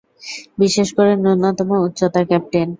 বিশেষ করে ন্যূনতম উচ্চতা, ক্যাপ্টেন।